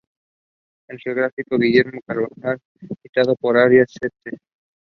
John Leonard was named Tournament Most Valuable Player.